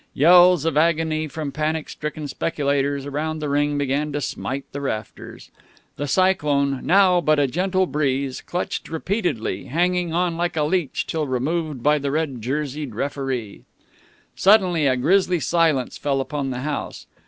Yells of agony from panic stricken speculators around the ring began to smite the rafters. The Cyclone, now but a gentle breeze, clutched repeatedly, hanging on like a leech till removed by the red jerseyed referee. Suddenly a grisly silence fell upon the house.